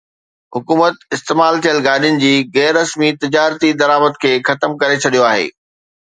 حڪومت استعمال ٿيل گاڏين جي غير رسمي تجارتي درآمد کي ختم ڪري ڇڏيو آهي